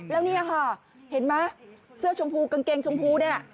แล้วเนี่ยค่ะเห็นไหมเสื้อชมพูกางเกงชมพูเนี่ย